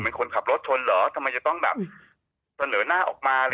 ผมเป็นคนขับรถชนเหรอทำไมจากไปหน่าออกมา